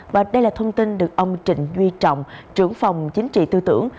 và đây là thông tin được ông trịnh duy trọng trưởng phòng chính trị tư tưởng